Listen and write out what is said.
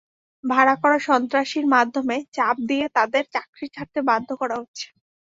ভাড়া করা সন্ত্রাসীর মাধ্যমে চাপ দিয়ে তাঁদের চাকরি ছাড়তে বাধ্য করা হচ্ছে।